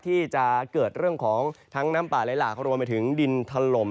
ที่จะเกิดเรื่องของทั้งน้ำป่าไหลหลากรวมไปถึงดินถล่ม